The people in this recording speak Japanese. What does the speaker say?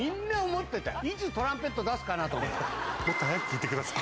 いつトランペット出すかなと思った。